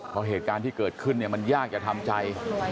เพราะเหตุการณ์ที่เกิดขึ้นเนี่ยมันยากจะทำใจ